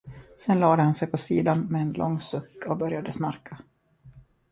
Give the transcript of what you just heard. Sen lade han sig på sidan med en lång suck och började snarka.